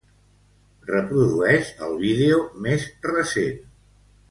Reprodueix el vídeo més recent.